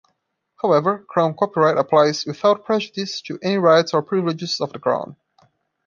However, Crown copyright applies "without prejudice to any rights or privileges of the Crown".